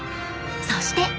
そして。